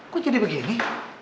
kok jadi begini